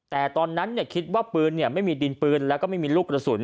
แต่ตอนนั้นคิดว่าปืนไม่มีดินปืนแล้วก็ไม่มีลูกกระสุน